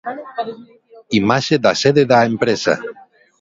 Imaxe da sede da empresa.